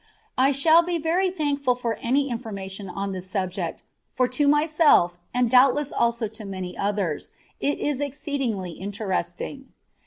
I shall be very thankful for any information on this subject, for to myself, and doubtless also to many others, it is exceedingly interesting.